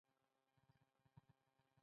اسلام حقيقي دين دی